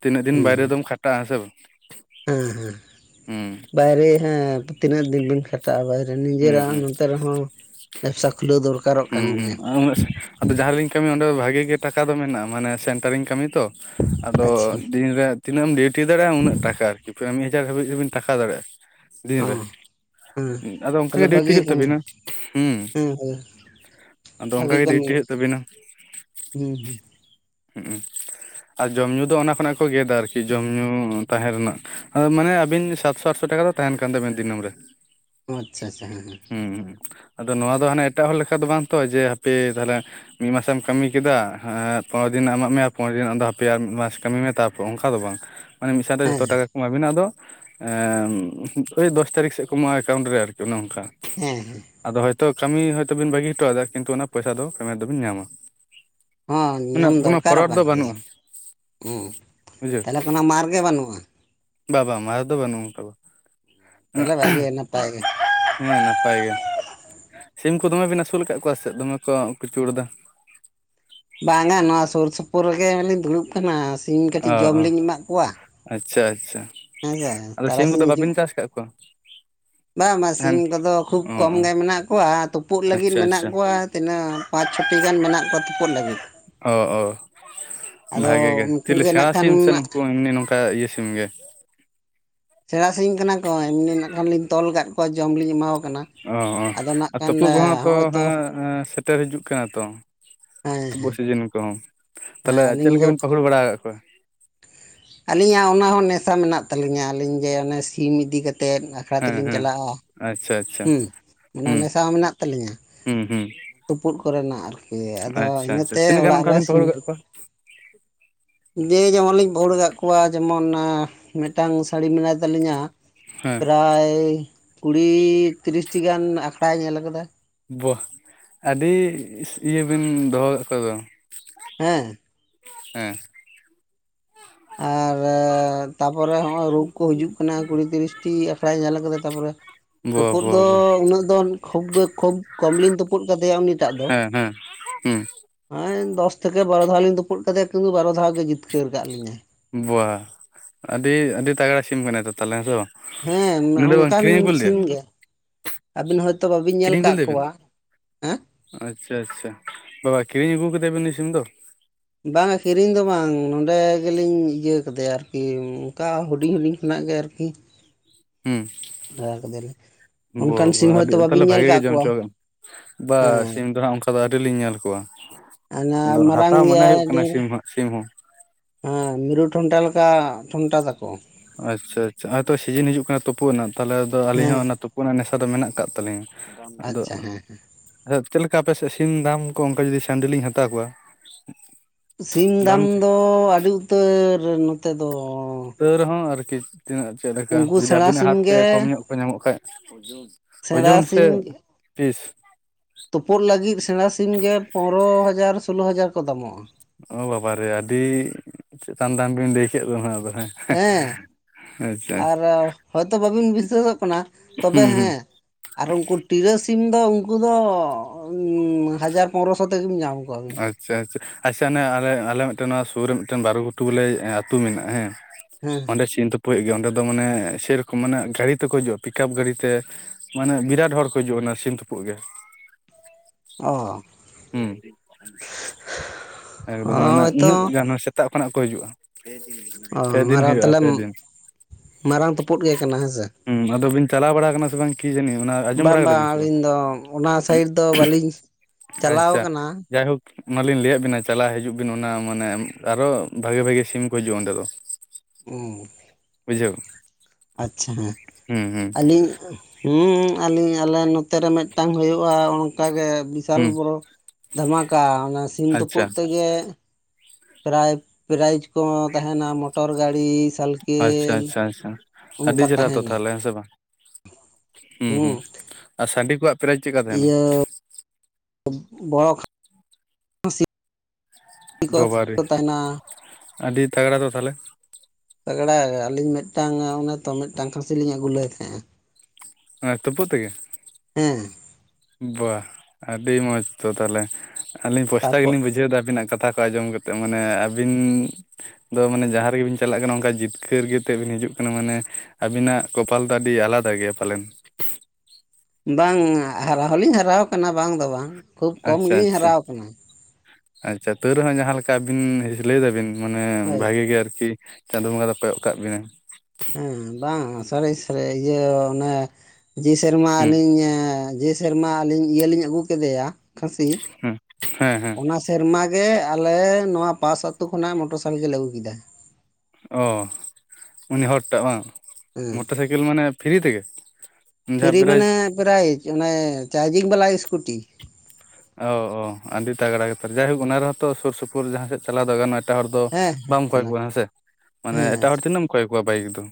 Speaker 1: ᱛᱤᱱᱟᱹᱜ ᱫᱤᱱ
Speaker 2: ᱦᱮᱸ ᱦᱮᱸ
Speaker 1: ᱵᱟᱭᱨᱮ ᱫᱚᱢ ᱠᱷᱟᱴᱟᱜ-ᱟ ᱦᱮᱸ ᱥᱮ ᱵᱟᱝ?
Speaker 2: ᱦᱮᱸ ᱦᱮᱸ
Speaker 1: ᱦᱩᱸ,
Speaker 2: ᱵᱟᱭᱨᱮ ᱦᱮᱸ ᱛᱤᱱᱟᱹᱜ ᱫᱤᱱ ᱵᱤᱱ ᱠᱷᱟ ᱮᱴᱟᱜ ᱵᱟᱭᱨᱮ
Speaker 1: ᱦᱩᱸ
Speaker 2: ᱱᱤᱡᱮᱨᱟᱜ
Speaker 1: ᱦᱩᱸ
Speaker 2: ᱱᱚᱱᱛᱮ ᱨᱮᱦᱚᱸ ᱵᱮᱵᱽᱥᱟ ᱠᱷᱩᱞᱟᱹᱣ ᱫᱚᱨᱠᱟᱨᱚᱜ ᱠᱟᱱ
Speaker 1: ᱦᱩᱸ
Speaker 2: ᱜᱮᱭᱟ᱾
Speaker 1: ᱦᱩᱸ ᱟᱫᱚ ᱡᱟᱦᱟᱸᱞᱤᱧ ᱠᱟᱹᱢᱤᱭᱟ ᱚᱸᱰᱮ ᱵᱷᱟᱜᱤ ᱜᱮ ᱴᱟᱠᱟ ᱫᱚ ᱢᱮᱱᱟᱜᱼᱟ ᱢᱟᱱᱮ ᱥᱮᱱᱴᱟᱨᱤᱝ ᱠᱟᱹᱢᱤ ᱛᱚ ᱟᱫᱚ
Speaker 2: ᱟᱪᱪᱷᱟ
Speaker 1: ᱫᱤᱱᱨᱮ ᱛᱤᱱᱟᱹᱜ ᱮᱢ ᱰᱤᱣᱴᱤ ᱫᱟᱲᱮᱭᱟᱜᱼᱟ ᱩᱱᱟᱜ ᱴᱟᱠᱟ ᱟᱨᱠᱤ, ᱯᱩᱟᱹ ᱢᱤᱫ ᱦᱟᱡᱟᱨ ᱦᱟᱵᱤᱡ ᱫᱚᱵᱤᱱ ᱴᱟᱠᱟ ᱫᱟᱲᱭᱟᱜᱼᱟ᱾
Speaker 2: ᱚᱜ ᱦᱮᱸ,
Speaker 1: ᱟᱫᱚ ᱚᱱᱠᱟ
Speaker 2: ᱛᱟᱦᱚᱞᱮ
Speaker 1: ᱜᱮ ᱰᱤᱣᱴᱤ
Speaker 2: ᱵᱷᱟᱜᱤ
Speaker 1: ᱦᱩᱭᱩᱜ
Speaker 2: ᱠᱟᱹᱢᱤ
Speaker 1: ᱛᱟᱵᱤᱱᱟ ᱦᱮᱸ ᱟᱫᱚ
Speaker 2: ᱵᱷᱟᱜᱤ
Speaker 1: ᱚᱱᱠᱟᱜᱮ
Speaker 2: ᱠᱟᱹᱢᱤ
Speaker 1: ᱰᱤᱭᱩᱴᱤ ᱦᱩᱭᱩᱜ ᱛᱟᱵᱤᱱᱟ
Speaker 2: ᱦᱩᱸ
Speaker 1: ᱦᱩᱸ᱾ ᱟᱨ ᱡᱚᱢ ᱧᱩ ᱫᱚ ᱚᱱᱟ ᱠᱷᱚᱱᱟᱜ ᱠᱚ ᱜᱮᱫᱟ ᱟᱨᱠᱤ ᱡᱚᱢ ᱧᱩ ᱛᱟᱦᱮᱸ ᱨᱮᱱᱟᱜ ᱢᱟᱱᱮ ᱟᱵᱤᱱ ᱥᱟᱛᱥᱚ ᱟᱴᱥᱚ ᱴᱟᱠᱟ ᱫᱚ ᱛᱟᱦᱮᱱ ᱠᱟᱱ ᱛᱟᱵᱮᱱ ᱫᱤᱱᱟᱹᱚᱢ ᱨᱮ᱾
Speaker 2: ᱳ ᱟᱪᱷᱟᱪᱷᱟ ᱦᱮᱸ ᱦᱮᱸ
Speaker 1: ᱦᱩᱸᱻ ᱟᱫᱚ ᱱᱚᱣᱟ ᱫᱚ ᱦᱟᱱᱮ ᱮᱴᱟᱜ ᱦᱚᱲ ᱞᱮᱠᱟ ᱫᱚ ᱵᱟᱝᱛᱚ ᱡᱮ ᱦᱟᱯᱮ ᱛᱟᱦᱚᱞᱮ ᱢᱤᱫ ᱢᱟᱥᱮᱢ ᱠᱟᱹᱢᱤ ᱠᱮᱫᱟ ᱯᱚᱱᱮᱨᱚ ᱫᱤᱱ ᱨᱮᱟᱜ ᱮᱢᱟᱜ ᱢᱮᱭᱟ ᱯᱚᱱᱮᱨᱚ ᱫᱤᱱ ᱫᱚ ᱦᱟᱯᱮ ᱟᱨ ᱢᱤᱫ ᱢᱟᱥ ᱠᱟᱹᱢᱤ ᱢᱮ ᱛᱟᱯᱚᱨ ᱚᱱᱠᱟ ᱫᱚ ᱵᱟᱝ ᱢᱟᱱᱮ ᱢᱤᱫ ᱥᱟᱶᱛᱮ
Speaker 2: ᱦᱮᱸ
Speaker 1: ᱡᱷᱚᱛᱚ
Speaker 2: ᱦᱮᱸ
Speaker 1: ᱴᱟᱠᱟ ᱠᱚ ᱮᱢᱟᱜ ᱵᱤᱱᱟ ᱟᱫᱚ ᱮ ᱳᱭ ᱫᱚᱥ ᱛᱟᱨᱤᱠᱷ ᱥᱮᱫ ᱠᱚ ᱮᱢᱚᱜ-ᱟ ᱮᱠᱟᱣᱩᱱᱴ ᱨᱮ ᱟᱨᱠᱤ᱾ ᱜᱚᱱᱮ ᱱᱚᱝᱠᱟ
Speaker 2: ᱦᱮᱸ ᱦᱮᱸ
Speaker 1: ᱟᱫᱚ ᱦᱚᱭᱛᱳ ᱠᱟᱹᱢᱤ ᱦᱚᱭᱛᱳ ᱵᱤᱱ ᱵᱟᱹᱜᱤ ᱦᱚᱴᱚ ᱟᱫᱟ ᱠᱤᱱᱛᱩ ᱚᱱᱟ ᱯᱚᱭᱥᱟ ᱫᱚ ᱯᱮᱢᱮᱱᱴ ᱫᱚᱵᱤᱱ ᱧᱟᱢᱟ
Speaker 2: ᱦᱚᱸ
Speaker 1: ᱢᱟᱱᱮ
Speaker 2: ᱧᱟᱢ
Speaker 1: ᱠᱳᱱᱳ
Speaker 2: ᱫᱚᱨᱠᱟᱨᱚᱜ
Speaker 1: ᱯᱷᱚᱨᱚᱰ ᱫᱚ
Speaker 2: ᱠᱟᱱ
Speaker 1: ᱵᱟᱹᱱᱩᱜᱼᱟ
Speaker 2: ᱜᱮᱭᱟᱸ ᱛᱟᱦᱚᱞᱮ ᱠᱳᱱᱳ ᱢᱟᱨᱜ ᱜᱮ ᱵᱟᱹᱱᱩᱜᱼᱟ
Speaker 1: ᱵᱟᱵᱟ ᱢᱟᱨ ᱫᱚ ᱵᱟᱱᱩᱜ ᱟᱠᱟᱫᱟ
Speaker 2: ᱛᱟᱦᱚᱞᱮ ᱵᱷᱟᱜᱤ ᱱᱟᱯᱟᱭ
Speaker 1: ᱦᱮᱸ ᱱᱟᱯᱟᱭ ᱜᱮ ᱥᱤᱢ ᱠᱚ ᱫᱚᱢᱮ ᱵᱮᱱ ᱟᱹᱥᱩᱞ ᱟᱠᱟᱫ ᱠᱚᱣᱟ ᱥᱮ ᱪᱮᱫ ᱫᱚᱢᱮ ᱠᱚ ᱠᱩᱪᱩᱲ ᱮᱫᱟ
Speaker 2: ᱵᱟᱝᱟ ᱱᱚᱣᱟ ᱥᱩᱨ ᱥᱩᱯᱩᱨ ᱨᱮᱜᱮᱞᱤᱧ ᱫᱩᱲᱩᱵ ᱠᱟᱱᱟ ᱥᱤᱢ ᱠᱟᱹᱴᱤᱡ ᱡᱚᱢ ᱞᱤᱧ ᱮᱢᱟᱫ ᱠᱚᱣᱟ
Speaker 1: ᱟᱪᱷᱟ ᱟᱪᱷᱟ
Speaker 2: ᱦᱮᱸᱥᱮ
Speaker 1: ᱟᱫᱚ ᱥᱤᱢ ᱠᱚᱫᱚ
Speaker 2: ᱛᱟᱨᱟᱥᱤᱧ ᱦᱤᱡᱩᱜ
Speaker 1: ᱵᱟᱵᱤᱱ ᱪᱟᱥ ᱟᱠᱟᱫ ᱠᱚᱣᱟ
Speaker 2: ᱵᱟᱝ ᱵᱟᱝ
Speaker 1: ᱦᱮᱸ
Speaker 2: ᱥᱤᱢ ᱠᱚᱫᱚ ᱠᱷᱩᱵ
Speaker 1: ᱚ
Speaker 2: ᱠᱚᱢ
Speaker 1: ᱚ
Speaker 2: ᱜᱮ ᱢᱮᱱᱟᱜ ᱠᱚᱣᱟ ᱛᱩᱯᱩᱜ ᱞᱟᱹᱜᱤᱫ
Speaker 1: ᱟᱪᱪᱷᱟ
Speaker 2: ᱢᱮᱱᱟᱜ
Speaker 1: ᱟᱪᱪᱷᱟ
Speaker 2: ᱠᱚᱣᱟ ᱛᱤᱱᱟᱹᱜ ᱯᱟᱸᱪ ᱪᱷᱚᱴᱤ ᱜᱟᱱ ᱢᱮᱱᱟᱜ ᱠᱚᱣᱟ ᱛᱩᱯᱩᱜ ᱞᱟᱹᱜᱤᱫ
Speaker 1: ᱚ ᱚ
Speaker 2: ᱟᱫᱚ
Speaker 1: ᱵᱷᱟᱜᱮ ᱜᱮ
Speaker 2: ᱩᱱᱠᱩ
Speaker 1: ᱪᱤᱞᱤ ᱥᱮᱲᱟ
Speaker 2: ᱱᱟᱜ ᱠᱷᱟᱱ
Speaker 1: ᱥᱤᱢ ᱥᱮ ᱱᱩᱠᱩ ᱮᱢᱱᱤ ᱱᱚᱝᱠᱟ ᱤᱭᱟᱹ ᱥᱤᱢ ᱜᱮ
Speaker 2: ᱥᱮᱲᱟ ᱥᱧ ᱠᱟᱱᱟ ᱠᱚ ᱮᱢᱱᱤ ᱱᱟᱜ ᱠᱷᱟᱱ ᱞᱤᱧ ᱛᱚᱞ ᱠᱟᱫ ᱠᱚᱣᱟ ᱡᱚᱢ ᱞᱤᱧ ᱮᱢᱟ ᱠᱚᱣᱟ
Speaker 1: ᱚ ᱟᱨ ᱛᱩᱯᱞᱩᱜ ᱠᱚᱦᱚᱸ ᱛᱚ ᱦᱟᱸᱜ ᱩᱤᱛᱟᱹᱨ ᱦᱤᱡᱩᱜ ᱠᱟᱱᱟ ᱛᱚ
Speaker 2: ᱦᱮᱸ
Speaker 1: ᱛᱚᱯᱩᱫ
Speaker 2: ᱦᱮᱸ
Speaker 1: ᱥᱤᱡᱤᱱ ᱠᱚ ᱦᱚᱸ
Speaker 2: ᱦᱮᱸ
Speaker 1: ᱛᱟᱦᱚᱞᱮ ᱪᱮᱫ
Speaker 2: ᱟᱹᱞᱤᱧ
Speaker 1: ᱞᱮᱠᱟ
Speaker 2: ᱜᱚ
Speaker 1: ᱵᱤᱱ ᱯᱟᱹᱦᱩᱲ ᱵᱟᱲᱟ ᱟᱠᱟᱫ ᱠᱚᱣᱟ
Speaker 2: ᱟᱹᱞᱤᱧᱟᱜ ᱚᱱᱟ ᱦᱚᱸ ᱱᱮᱥᱟ ᱢᱮᱱᱟᱜ ᱛᱟᱹᱟᱞᱤᱧᱟ ᱟᱹᱞᱤᱧ ᱡᱮ ᱚᱱᱮ ᱥᱤᱢ ᱤᱫᱤ ᱠᱟᱛᱮᱫ
Speaker 1: ᱦᱮᱸ ᱦᱮᱸ ᱟᱪᱪᱷᱟ ᱟᱪᱪᱷᱟ
Speaker 2: ᱦᱮᱸ ᱚᱱᱟ
Speaker 1: ᱦᱩᱸ
Speaker 2: ᱱᱮᱥᱟ ᱦᱚᱸ ᱢᱮᱱᱟᱜ ᱛᱟᱹᱟᱞᱤᱧᱟ
Speaker 1: ᱦᱩᱸ ᱦᱩᱸ
Speaker 2: ᱛᱩᱯᱩᱫ ᱠᱚᱨᱮᱱᱟᱜ ᱟᱨ ᱠᱤ ᱟᱫᱚ
Speaker 1: ᱟᱪᱪᱷᱟ ᱟᱪᱪᱷᱟ
Speaker 2: ᱤᱱᱟᱹᱛᱮ
Speaker 1: ᱛᱤᱱᱟᱹᱜ ᱜᱟᱱ
Speaker 2: ᱚᱲᱟᱜ
Speaker 1: ᱚᱱᱠᱟ
Speaker 2: ᱨᱮ
Speaker 1: ᱵᱤᱱ ᱯᱟᱹᱦᱩᱲ ᱟᱠᱟᱫ ᱠᱚᱣᱟ
Speaker 2: ᱫᱮ ᱡᱮᱢᱚᱱ ᱞᱤᱧ ᱟᱹᱦᱩᱞ ᱟᱠᱟᱫ ᱠᱚᱣᱟ ᱡᱮᱢᱚᱱ ᱢᱤᱫᱴᱟᱝ ᱥᱟᱹᱲᱤ ᱢᱮᱱᱟᱭ ᱛᱟᱹᱞᱤᱧᱟ
Speaker 1: ᱦᱮᱸ
Speaker 2: ᱯᱨᱟᱭ ᱠᱩᱲᱤ ᱛᱤᱨᱤᱥ ᱴᱤ ᱜᱟᱱ ᱟᱠᱷᱲᱟᱭ ᱧᱮᱞ ᱟᱠᱟᱫᱟ
Speaker 1: ᱵᱟᱦ ᱟᱹᱰᱤ ᱤᱭᱟᱹ ᱵᱮᱱ ᱫᱚᱦᱚ ᱠᱟᱜ ᱠᱚᱫᱚ
Speaker 2: ᱦᱮᱸ
Speaker 1: ᱦᱮᱸ
Speaker 2: ᱟᱨ ᱛᱟᱯᱚᱨᱮ ᱦᱚᱜᱚᱭ ᱨᱳᱜ ᱠᱚ ᱦᱤᱡᱩᱜ ᱠᱟᱱᱟ ᱠᱩᱲᱤ ᱛᱤᱨᱤᱥ ᱤ ᱟᱠᱷᱲᱟᱭ ᱧᱮᱞ ᱟᱠᱟᱫᱟ ᱛᱟᱯᱚᱨᱮ
Speaker 1: ᱵᱟ
Speaker 2: ᱛᱩᱯᱩᱫ
Speaker 1: ᱵᱟ
Speaker 2: ᱫᱚ
Speaker 1: ᱵᱟ
Speaker 2: ᱩᱱᱟᱹᱜ ᱫᱚ ᱠᱷᱩ ᱠᱷᱩᱵ ᱠᱚᱢᱞᱤᱧ ᱛᱩᱯᱩᱫ ᱠᱟᱫᱮᱭᱟ ᱩᱱᱤᱴᱟᱜ ᱫᱚ
Speaker 1: ᱦᱮᱸ ᱦᱮᱸ
Speaker 2: ᱦᱮᱸ ᱫᱚᱥ ᱛᱷᱮᱠᱮ ᱵᱟᱨᱚ ᱫᱷᱟᱣ ᱞᱤᱧ ᱛᱩᱯᱩᱫ ᱠᱮᱫᱮᱭᱟ ᱠᱤᱱᱛᱩ ᱵᱟᱨᱚ ᱫᱷᱟᱣ ᱜᱮ ᱡᱤᱛᱠᱟᱹᱨ ᱠᱟᱫ ᱞᱤᱧᱟᱭ
Speaker 1: ᱵᱟ ᱟᱹᱰᱤ ᱟᱹᱰᱤ ᱛᱟᱜᱟᱲᱟ ᱥᱤᱢ ᱠᱟᱱᱟᱭ ᱛᱚ ᱛᱟᱞᱮ ᱦᱥᱚ
Speaker 2: ᱦᱮᱸ ᱚᱱᱠᱟᱱ ᱥᱤᱢ ᱜᱮ ᱟᱹᱵᱤᱱ ᱦᱚᱭᱛᱚ ᱵᱟᱵᱤᱱ ᱧᱮᱞ ᱟᱠᱟᱫ ᱠᱚᱣᱟ ᱦᱮᱸ
Speaker 1: ᱟᱪᱷᱟ ᱟᱪᱷᱟ ᱵᱟᱵᱟ ᱠᱤᱨᱤᱧ ᱟᱹᱜᱩ ᱠᱟᱫᱮᱭᱟ ᱵᱮᱱ ᱩᱱᱤ ᱥᱤᱢ ᱫᱚ
Speaker 2: ᱵᱟᱝᱼᱟ ᱠᱤᱨᱤᱧ ᱫᱚ ᱵᱟᱝ ᱱᱚᱰᱮ ᱜᱮᱞᱤᱧ ᱤᱭᱟᱹ ᱠᱟᱫᱮᱭᱟ ᱟᱨᱠᱤ ᱚᱱᱠᱟ ᱦᱩᱰᱤᱧ ᱦᱩᱰᱤᱧ ᱩᱱᱟᱹᱜ ᱜᱮ ᱟᱨᱠᱤ
Speaker 1: ᱦᱚᱸ
Speaker 2: ᱮᱢᱟ ᱠᱟᱫᱮᱭᱟ ᱞᱤᱧ
Speaker 1: ᱵᱟᱵᱟ ᱨᱮ ᱛᱟᱦᱚᱞᱮ ᱵᱷᱟᱜᱤ ᱜᱮ ᱡᱚᱢ ᱦᱚᱪᱚ ᱵᱟ
Speaker 2: ᱦᱮᱸ
Speaker 1: ᱥᱤᱢ ᱫᱚ ᱦᱟᱸᱜ ᱚᱱᱠᱟ ᱫᱚ ᱟᱹᱰᱤ ᱞᱤᱧ ᱧᱮᱞ ᱠᱚᱣᱟ
Speaker 2: ᱚᱱᱟ
Speaker 1: ᱟᱫᱚ
Speaker 2: ᱢᱟᱨᱟᱝ
Speaker 1: ᱦᱟᱛᱟᱣ ᱢᱚᱱᱮ
Speaker 2: ᱜᱮᱭᱟᱭ
Speaker 1: ᱦᱩᱭᱩᱜ ᱠᱟᱱᱟ
Speaker 2: ᱟᱹᱰᱤ
Speaker 1: ᱥᱤᱢ ᱦᱚᱸ ᱥᱤᱢ ᱦᱚᱸ
Speaker 2: ᱦᱮᱸ ᱢᱤᱨᱩ ᱴᱷᱚᱱᱴᱟ ᱞᱮᱠᱟ ᱴᱷᱚᱱᱴᱟ ᱛᱟᱠᱚ
Speaker 1: ᱟᱪᱷᱟ ᱟᱪᱷᱟ ᱦᱚᱼᱚᱭ ᱛᱚ ᱥᱤᱡᱤᱱ ᱦᱤᱡᱩᱜ ᱠᱟᱱᱟ ᱛᱩᱯᱩᱫ ᱨᱮᱱᱟᱜ ᱛᱟᱦᱚᱞᱮ ᱟᱫᱚ ᱟᱹᱞᱤᱧ
Speaker 2: ᱦᱮᱸ
Speaker 1: ᱦᱚᱸ ᱚᱱᱟ ᱛᱩ ᱨᱮᱱᱟᱜ ᱱᱮᱥᱟ ᱫᱚ ᱢᱮᱱᱟᱜ ᱠᱟᱜ ᱛᱟᱹᱞᱤᱧᱟ
Speaker 2: ᱟᱪᱪᱷᱟ ᱦᱮᱸ
Speaker 1: ᱟᱫᱚ ᱪᱮᱫ ᱞᱮᱠᱟ ᱟᱯᱮ ᱥᱮᱫ ᱥᱤᱢ ᱫᱟᱢ ᱠᱚ ᱚᱱᱠᱟ ᱡᱩᱫᱤ ᱥᱟᱺᱰᱤ ᱞᱤᱧ ᱦᱟᱛᱟᱣ ᱠᱚᱣᱟ
Speaker 2: ᱥᱤᱢ ᱫᱟᱢ ᱫᱚ ᱟᱹᱰᱤ ᱩᱛᱟᱹᱨ ᱱᱚᱛᱮᱫ ᱫᱚ
Speaker 1: ᱛᱟᱹᱣ ᱨᱮᱦᱚᱸ ᱟᱨᱠᱤ ᱛᱤᱱᱟᱹᱜ ᱪᱮᱫ ᱞᱮᱠᱟ
Speaker 2: ᱩᱱᱠᱩ
Speaker 1: ᱡᱩᱫᱤ
Speaker 2: ᱥᱮᱬᱟ
Speaker 1: ᱟᱵᱤᱱᱟᱜ
Speaker 2: ᱥᱤᱢ
Speaker 1: ᱦᱟᱛ ᱛᱮ
Speaker 2: ᱜᱮ
Speaker 1: ᱠᱚᱢ ᱧᱚᱜ ᱠᱚ ᱧᱟᱢᱚᱜ ᱠᱷᱟᱱ
Speaker 2: ᱥᱮᱬᱟ
Speaker 1: ᱳᱡᱚᱱ ᱥᱮ
Speaker 2: ᱥᱤᱢ
Speaker 1: ᱯᱤᱥ
Speaker 2: ᱛᱩᱯᱩᱫ ᱞᱟᱹᱜᱤᱫ ᱥᱮᱲᱟ ᱥᱤᱢ ᱜᱮ ᱯᱚᱱᱨᱳ ᱦᱟᱡᱟᱨ ᱥᱳᱞᱳ ᱦᱟᱡᱟᱨ ᱠᱚ ᱫᱟᱢᱚᱜᱼᱟ
Speaker 1: ᱚ ᱵᱟᱵᱟᱨᱮ ᱟᱹᱰᱤ ᱪᱮᱛᱟᱱ ᱫᱟᱱ ᱵᱤᱱ ᱞᱟᱹᱭ ᱠᱮᱫ ᱫᱚ ᱚᱱᱟ ᱟᱫᱚ ᱦᱮᱸ
Speaker 2: ᱦᱮᱸ
Speaker 1: ᱟᱪᱪᱷᱟ
Speaker 2: ᱟᱨ ᱦᱚᱭᱛᱚ ᱵᱟᱵᱤᱱ ᱵᱤᱥᱟᱹᱥᱚᱜ ᱠᱟᱱᱟ ᱛᱚᱵᱮ
Speaker 1: ᱦᱩᱸ ᱦᱩᱸ
Speaker 2: ᱦᱮᱸ ᱟᱨ ᱩᱱᱠᱩ ᱴᱤᱨᱟᱹ ᱥᱤᱢ ᱫᱚ ᱩᱱᱠᱩ ᱫᱚ ᱦᱟᱡᱟᱨ ᱯᱚᱱᱨᱚᱥᱚ ᱛᱮᱜᱮᱢ ᱧᱟᱢ ᱠᱚᱣᱟ᱾
Speaker 1: ᱟᱪ ᱟᱪᱪᱷᱟ ᱚᱱᱮ ᱟᱞᱮ ᱟᱞᱮ ᱢᱤᱫᱴᱮᱱ ᱱᱚᱣᱟ ᱥᱩᱨ ᱨᱮ ᱢᱤᱫᱴᱮᱱ ᱵᱟᱨᱩ ᱜᱷᱩᱴᱩ ᱵᱚᱞᱮ ᱟᱹᱛᱩ ᱢᱮᱱᱟᱜᱼᱟ ᱦᱮᱸ
Speaker 2: ᱦᱮᱸ
Speaker 1: ᱚᱸᱰᱮ ᱥᱤᱢ ᱛᱩᱯᱩ ᱦᱩᱭᱩᱜ ᱜᱮᱭᱟ ᱚᱸᱰᱮ ᱫᱚ ᱢᱟᱱᱮ ᱥᱮᱨᱚᱠᱚᱢ ᱢᱟᱱᱮ ᱜᱟᱹᱲᱤ ᱛᱮᱠᱚ ᱦᱤᱡᱩᱜᱼᱟ ᱯᱤᱠᱟᱯ ᱜᱟᱹᱲᱤ ᱛᱮ ᱢᱟᱱᱮ ᱵᱤᱨᱟᱴ ᱦᱚᱲ ᱠᱚ ᱦᱤᱡᱩᱜᱼᱟ ᱚᱱᱟ ᱥᱤᱢ ᱛᱩᱯᱩᱜ ᱜᱮ᱾
Speaker 2: ᱚ
Speaker 1: ᱦᱩᱸ
Speaker 2: [inaudible]
Speaker 1: ᱮᱠᱫᱚᱢ ᱢᱟᱱᱮ
Speaker 2: ᱦᱳᱭᱛᱚ
Speaker 1: ᱩᱱᱟᱹᱜ ᱜᱟᱱ ᱥᱮᱛᱟᱜ ᱠᱷᱚᱱᱟᱜ ᱠᱚ ᱦᱤᱡᱩᱜᱼᱟ᱾
Speaker 2: ᱚ
Speaker 1: ᱯᱮ ᱫᱤᱱ
Speaker 2: ᱢᱟᱨᱟᱝ
Speaker 1: ᱦᱩᱭᱩᱜᱼᱟ
Speaker 2: ᱛᱟᱦᱚᱞᱮ
Speaker 1: ᱯᱮ ᱫᱤᱱ᱾
Speaker 2: ᱢᱟᱨᱟᱝ ᱛᱩᱯᱳᱫ ᱜᱮ ᱠᱟᱱᱟ ᱦᱮᱸ ᱥᱮ
Speaker 1: ᱦᱩᱸ ᱟᱫᱚ ᱵᱤᱱ ᱪᱟᱞᱟᱣ ᱵᱟᱲᱟ ᱠᱟᱱᱟ ᱥᱮ ᱵᱟᱝ ᱠᱤ ᱡᱟᱹᱱᱤ ᱚᱱᱟ ᱟᱸᱡᱚᱢ ᱵᱟᱲᱟ
Speaker 2: ᱵᱟᱝ
Speaker 1: ᱠᱟᱫᱟ ᱵᱤᱱ ᱥᱮ ᱵᱟᱝ
Speaker 2: ᱟᱹᱞᱤᱧ ᱫᱚ ᱚᱱᱟ ᱥᱟᱭᱤᱰ ᱫᱚ ᱵᱟᱹᱞᱤᱧ ᱪᱟᱞᱟᱣ
Speaker 1: ᱟᱪᱪᱷᱟ
Speaker 2: ᱠᱟᱱᱟ
Speaker 1: ᱡᱟᱭ ᱦᱳᱠ ᱚᱱᱟᱞᱤᱧ ᱞᱟᱹᱭᱟᱫ ᱵᱮᱱᱟ ᱪᱟᱞᱟᱜ ᱦᱤᱡᱩᱜ ᱵᱤᱱ ᱚᱱᱟ ᱢᱟᱱᱮ ᱟᱨᱚ ᱵᱷᱟᱜᱤ ᱵᱷᱟᱜᱤ ᱥᱤᱢ ᱠᱚ ᱦᱤᱡᱩᱜᱼᱟ ᱚᱸᱰᱮ ᱫᱚ᱾
Speaker 2: ᱦᱩᱸ
Speaker 1: ᱵᱩᱡᱷᱟᱹᱣ?
Speaker 2: ᱟᱪᱪᱷᱟ ᱦᱮᱸ
Speaker 1: ᱦᱩᱸ ᱦᱩᱸ
Speaker 2: ᱟᱹᱞᱤᱧ ᱦᱩᱸ ᱟᱹᱞᱤᱧ ᱟᱞᱮ ᱱᱚᱛᱮ ᱨᱮ ᱢᱤᱫᱴᱟᱱ ᱦᱩᱭᱩᱜᱼᱟ ᱚᱱᱠᱟᱜᱮ ᱵᱤᱥᱟᱞ
Speaker 1: ᱦᱩᱸ
Speaker 2: ᱵᱚᱨᱚ ᱫᱷᱟᱢᱟᱠᱟ ᱚᱱᱟ ᱥᱤᱢ
Speaker 1: ᱟᱪᱪᱷᱟ
Speaker 2: ᱛᱩᱯᱩᱜ ᱛᱮᱜᱮ ᱯᱨᱟᱭ ᱯᱨᱟᱭᱤᱡᱽ ᱠᱚᱦᱚᱸ ᱛᱟᱦᱮᱱᱟ ᱢᱚᱴᱚᱨ ᱜᱟᱹᱲᱤ ᱥᱟᱞ
Speaker 1: ᱟᱪᱪᱷᱟ ᱪᱷᱟ ᱪᱷᱟ ᱟᱹᱰᱤ ᱪᱮᱨᱦᱨᱟ ᱛᱚ
Speaker 2: ᱛᱟᱦᱮᱱᱟ
Speaker 1: ᱛᱟᱦᱚᱞᱮ ᱦᱮᱸ ᱥᱮ ᱵᱟᱝ? ᱦᱩᱸ ᱦᱩᱸ᱾ ᱟᱨ ᱥᱟᱺᱰᱤ ᱠᱚᱣᱟᱜ ᱯᱨᱟᱭᱤᱡᱽ ᱪᱮᱫ ᱞᱮᱠᱟ ᱛᱟᱦᱮᱱᱟᱴ
Speaker 2: ᱤᱭᱟᱹ [unintelligible] ᱥᱤ
Speaker 1: ᱵᱟᱵᱟᱨᱮ ᱟᱹᱰᱤ ᱛᱟᱜᱽᱲᱟ ᱫᱚ ᱛᱟᱦᱞᱮ
Speaker 2: ᱛᱟᱜᱽᱲᱟ ᱟᱹᱞᱤᱧ ᱢᱤᱫᱴᱟᱝ ᱚᱱᱮ ᱛᱚ ᱢᱤᱫᱴᱟᱝ ᱠᱷᱟᱹᱥᱤ ᱞᱤᱧ ᱟᱹᱜᱩ ᱞᱮᱫᱮ ᱛᱟᱦᱮᱸᱜᱼᱟ᱾
Speaker 1: ᱮᱸ ᱛᱩᱯᱩᱜ ᱛᱮᱜᱮ?
Speaker 2: ᱦᱮᱸ
Speaker 1: ᱵᱟ ᱟᱹᱰᱤ ᱢᱚᱸᱡᱽ ᱛᱚ ᱛᱟᱦᱚᱞᱮ ᱟᱹᱞᱤᱧ ᱯᱚᱥᱛᱟ
Speaker 2: ᱛᱟᱨᱯᱚᱨ
Speaker 1: ᱜᱮᱞᱤᱧ ᱵᱩᱡᱷᱟᱹᱣ ᱮᱫᱟ ᱟᱹᱵᱤᱱᱟᱜ ᱠᱟᱛᱷᱟ ᱠᱚ ᱟᱸᱡᱚᱢ ᱠᱟᱛᱮᱫ ᱢᱟᱱᱮ ᱟᱹᱵᱤᱱ ᱫᱚ ᱢᱟᱱᱮ ᱡᱟᱦᱟᱸ ᱨᱮᱜᱮ ᱵᱤᱱ ᱪᱟᱞᱟᱜ ᱠᱟᱱᱟ ᱚᱱᱠᱟ ᱡᱤᱛᱠᱟᱹᱨ ᱜᱮᱛᱮᱜ ᱵᱤᱱ ᱦᱤᱡᱩᱜ ᱠᱟᱱᱟ ᱢᱟᱱᱮ ᱟᱹᱵᱤᱱᱟᱜ ᱠᱚᱯᱟᱞ ᱫᱚ ᱟᱹᱰᱤ ᱟᱞᱟᱫᱟ ᱜᱮᱭᱟ ᱯᱟᱞᱮᱱ
Speaker 2: ᱵᱟᱝ ᱦᱟᱨᱟ ᱦᱚᱞᱤᱧ ᱦᱟᱨᱟ ᱟᱠᱟᱱᱟ ᱵᱟᱝ ᱫᱚ ᱵᱟᱝ᱾ ᱠᱷᱩᱵ ᱠᱚᱢ
Speaker 1: ᱟᱪᱪᱷᱟ
Speaker 2: ᱜᱮᱞᱤᱧ
Speaker 1: ᱟᱪᱪᱷᱟ
Speaker 2: ᱦᱟᱨᱟᱣ ᱠᱟᱱᱟ
Speaker 1: ᱟᱪᱪᱷᱟ ᱛᱟ. ᱣᱨᱮᱦᱚᱸ ᱡᱟᱦᱟᱸ ᱞᱮᱠᱟ ᱟᱹᱵᱤᱱ ᱞᱟᱹᱭ ᱫᱟᱵᱤᱱ ᱢᱟᱱᱮ
Speaker 2: ᱦᱳᱭ
Speaker 1: ᱵᱷᱟᱜᱮ ᱜᱮ ᱟᱨᱠᱤ ᱪᱟᱸᱫᱳ ᱵᱚᱸᱜᱟ ᱫᱚ ᱠᱚᱭᱚᱜ ᱠᱟᱜ ᱵᱤᱱᱟ
Speaker 2: ᱩᱸ ᱵᱟᱝ ᱥᱟᱨᱤ ᱥᱟᱹᱨᱤ ᱤᱭᱟᱹ ᱚᱱᱮ ᱡᱤ ᱥᱮᱨᱢᱟ
Speaker 1: ᱦᱩᱸ
Speaker 2: ᱟᱹᱞᱤᱧ ᱡᱮ ᱥᱮᱨᱢᱟ ᱟᱹᱞᱤᱧ ᱤᱭᱟᱹ ᱞᱤᱧ ᱟᱹᱜᱩ ᱠᱮᱫᱮᱭᱟ ᱠᱷᱟᱹᱥᱤ
Speaker 1: ᱦᱩᱸ ᱦᱮᱸ ᱦᱮᱸ
Speaker 2: ᱚᱱᱟ ᱥᱮᱨᱢᱟ ᱜᱮ ᱟᱞᱮ ᱱᱚᱣᱟ ᱯᱟᱥ ᱟᱛᱳ ᱠᱷᱚᱱᱟᱜ ᱢᱚᱴᱚᱨ ᱥᱟᱭᱠᱮᱞ ᱞᱮ ᱟᱹᱜᱩ ᱠᱮᱫᱟ᱾
Speaker 1: ᱚ ᱩᱱᱤ ᱦᱚᱲ ᱴᱟᱜ ᱵᱟᱝ
Speaker 2: ᱦᱮᱸ
Speaker 1: ᱢᱚᱴᱚᱨ ᱥᱟᱭᱠᱮᱞ ᱢᱟᱱᱮ ᱯᱷᱨᱤ ᱛᱮᱜᱮ ᱡᱟᱦᱟᱸ ᱯᱮᱨᱟᱭᱤ
Speaker 2: ᱯᱮᱨᱟᱭᱤᱡ ᱚᱱᱮ ᱪᱟᱨᱡᱤᱝ ᱵᱟᱞᱟ ᱤᱥᱠᱩᱴᱤ?
Speaker 1: ᱚ ᱚ ᱟᱰᱤ ᱛᱟᱜᱽᱲᱟ ᱜᱮᱛ ᱡᱟᱭᱦᱳᱠ ᱚᱱᱟ ᱨᱮᱦᱚᱸ ᱛᱚ ᱥᱩᱨ ᱥᱩᱯᱩᱨ ᱡᱟᱦᱟᱸ ᱥᱮᱫ ᱪᱟᱞᱟᱣ ᱫᱚ ᱜᱟᱱᱚᱜᱼᱟ᱾ ᱮᱴᱟᱜ ᱦᱚᱲ ᱫᱚ
Speaker 2: ᱦᱮᱸ ᱦᱮᱸ
Speaker 1: ᱵᱟᱢ ᱠᱚᱭ
Speaker 2: ᱥᱟᱞᱟ
Speaker 1: ᱠᱚᱣᱟ ᱦᱮᱸᱥᱮ ᱢᱟᱱᱮ ᱮᱴᱟᱜ ᱦᱚᱲ ᱛᱤᱱᱟᱹᱜ ᱮᱢ ᱠᱚᱭ ᱠᱚᱣᱟ ᱵᱟᱭᱤᱠ ᱫᱚ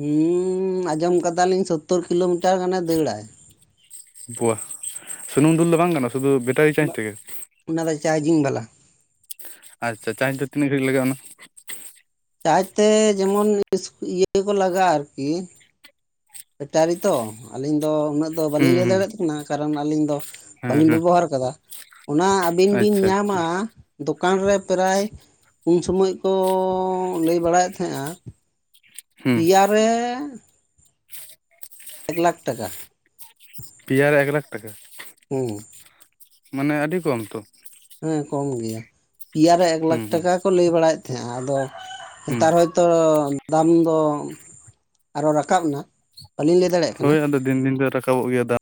Speaker 2: ᱦᱩᱸᱻᱟᱸᱡᱚᱢ ᱠᱟᱫᱟᱞᱤᱧ ᱥᱳᱛᱛᱳᱚᱨ ᱠᱤᱞᱳᱢᱤᱴᱟᱨ ᱜᱟᱱᱮ ᱫᱟᱹᱲᱟᱭ᱾
Speaker 1: ᱯᱚᱣᱟ ᱥᱩᱱᱩᱢ ᱫᱩᱞ ᱫᱚ ᱵᱟᱝ ᱜᱟᱱᱚᱸ ᱥᱩᱫᱷᱩ ᱵᱮ ᱪᱟᱸᱡ ᱛᱮᱜᱮ
Speaker 2: ᱚᱱᱟ ᱫᱚ ᱪᱟᱨᱡᱤᱝ ᱵᱟᱞᱟ
Speaker 1: ᱟᱪᱪᱷᱟ ᱪᱟᱸᱡ ᱫᱚ ᱛᱤᱱᱟᱹᱜ ᱜᱷᱟᱹᱲᱤᱡ ᱞᱟᱜᱟᱜᱼᱟ ᱚᱱᱟ
Speaker 2: ᱪᱟᱨᱡᱽ ᱛᱮ ᱡᱮᱢᱚᱱ ᱤᱥ ᱤᱭᱟᱹ ᱠᱚ ᱞᱟᱜᱟᱜᱼᱟ, ᱟᱨᱠᱤ ᱵᱮᱴᱟᱨᱤ ᱛᱚ ᱟᱹᱞᱤᱧ ᱫᱚ ᱩᱱᱟᱹᱜ ᱫᱚ
Speaker 1: ᱦᱩᱸ
Speaker 2: ᱵᱟᱹᱞᱤᱧ ᱞᱟᱹᱭ
Speaker 1: ᱦᱩᱸ
Speaker 2: ᱫᱟᱲᱮᱭᱟᱜ ᱠᱟᱱᱟ ᱠᱟᱨᱚᱱ ᱟᱹᱞᱤᱧ ᱫᱚ
Speaker 1: ᱦᱮᱸ
Speaker 2: ᱵᱟᱹᱞᱤᱧ
Speaker 1: ᱦᱮᱸ
Speaker 2: ᱵᱮᱵᱚᱦᱟᱨ ᱠᱟᱫᱟ ᱚᱱᱟ ᱟᱹᱵᱤᱱ ᱵᱤᱱ
Speaker 1: ᱟᱪᱪᱷᱟ
Speaker 2: ᱧᱟᱢᱟ
Speaker 1: ᱟᱪᱪᱷᱟ
Speaker 2: ᱫᱚᱠᱟᱱ ᱨᱮ ᱯᱨᱟᱭ ᱩᱱ ᱥᱚᱢᱚᱭ ᱠᱚ ᱞᱟᱹᱭ ᱵᱟᱲᱟᱭᱮᱫ ᱛᱟᱦᱮᱸᱡᱼᱟ
Speaker 1: ᱦᱩᱸ
Speaker 2: ᱯᱮᱭᱟ ᱨᱮ... ᱮᱠ ᱞᱟᱠᱷ ᱴᱟᱠᱟ
Speaker 1: ᱯᱮᱭᱟ ᱨᱮ ᱮᱠ ᱞᱟᱠᱷ ᱴᱟᱠᱟ
Speaker 2: ᱦᱩᱸ
Speaker 1: ᱢᱟᱱᱮ ᱟᱹᱰᱤ ᱠᱚᱢ ᱛᱚ
Speaker 2: ᱦᱮᱸ ᱠᱚᱢ ᱜᱮᱭᱟ ᱯᱮᱭᱟ ᱨᱮ ᱮᱠ
Speaker 1: ᱦᱩᱸ
Speaker 2: ᱞᱟᱠᱷ
Speaker 1: ᱦᱩᱸ
Speaker 2: ᱴᱟᱠᱟ ᱠᱚ ᱞᱟᱹᱭ ᱵᱟᱲᱟᱭᱮᱫ ᱛᱟᱦᱮᱸᱼᱟ ᱟᱫᱚ
Speaker 1: ᱦᱩᱸ
Speaker 2: ᱱᱮᱛᱟᱨ ᱦᱚ ᱛᱚ ᱫᱟᱢ ᱫᱚ ᱟᱨᱦᱚᱸ ᱨᱟᱠᱟᱵ ᱮᱱᱟ ᱵᱟᱹᱞᱤᱧ ᱞᱟᱹᱭ ᱫᱟᱲᱮᱭᱟᱜ ᱠᱟᱱᱟ
Speaker 1: ᱦᱳᱭ ᱟᱫᱚ ᱫᱤᱱ ᱫᱤᱱ ᱫᱚ ᱨᱟᱠᱟᱵᱚᱜ ᱜᱮᱭᱟ ᱫᱟᱜ...